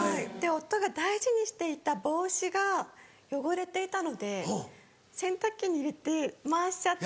夫が大事にしていた帽子が汚れていたので洗濯機に入れて回しちゃって。